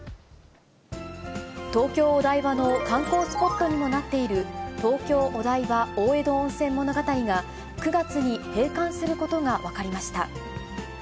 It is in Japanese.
東京・お台場の観光スポットにもなっている、東京お台場大江戸温泉物語が、９月に閉館することが分かりました。